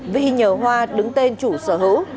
vi nhờ hoa đứng tên chủ sở hữu